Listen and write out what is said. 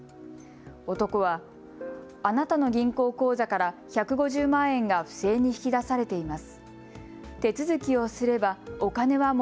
男は、あなたの銀行口座から１５０万円が不正に引き出されています。